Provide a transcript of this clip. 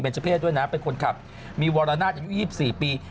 เจ้าเพศด้วยนะเป็นคนขับมีวรนาศอายุ๒๔ปี